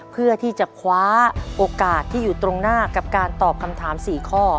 เพื่อที่จะคว้าโอกาสที่อยู่ตรงหน้ากับการตอบคำถาม๔ข้อ